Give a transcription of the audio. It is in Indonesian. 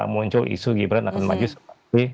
muncul isu gibran akan maju sebagai